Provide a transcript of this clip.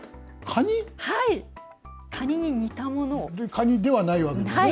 かにではないわけですね？